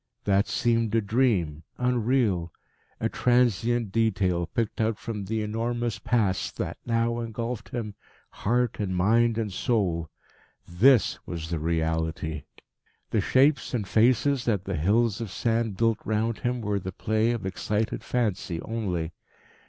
That seemed a dream, unreal, a transient detail picked out from the enormous Past that now engulfed him, heart and mind and soul. This was the reality. The shapes and faces that the hills of sand built round him were the play of excited fancy only.